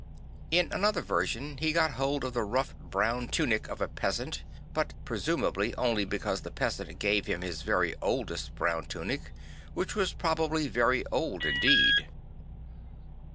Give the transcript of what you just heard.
In another version he got hold of the rough bro\Vll tunic of a peasant, but presumably only because the peasant gave him his very oldest brown tunic, which was probably very old indeed.